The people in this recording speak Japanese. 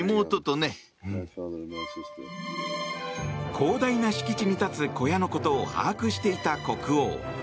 広大な敷地に立つ小屋のことを把握していた国王。